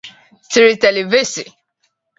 Série télévisée.